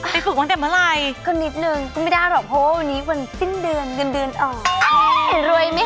ไปฝึกวันตั้งเมื่อไร